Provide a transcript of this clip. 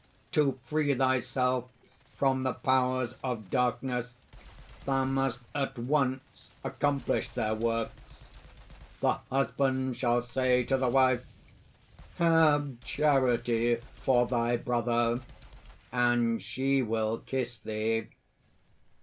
To free thyself from the powers of darkness, thou must at once accomplish their works. The husband shall say to the wife: 'Have charity for thy brother' and she will kiss thee."